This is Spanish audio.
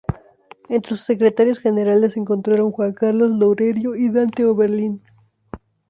Entre sus secretarios generales se encontraron Juan Carlos Loureiro y Dante Oberlin.